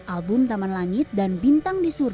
album taman langit dan bintang di surga